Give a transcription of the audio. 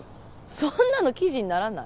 そんなの記事にならない。